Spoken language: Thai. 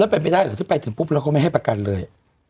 และเป็นไปได้ในทุกที่ปุ๊บแล้วเข้าไม่ให้ประกันเลย